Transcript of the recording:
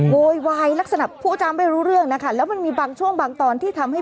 โวยวายลักษณะผู้จำไม่รู้เรื่องนะคะแล้วมันมีบางช่วงบางตอนที่ทำให้